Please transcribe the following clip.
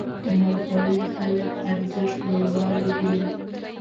عمرخوړلي خلک ارزښت لوړوالی ګوري.